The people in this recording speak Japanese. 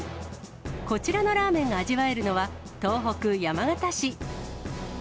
こちらのラーメンが味わえるのは、東北、山形市。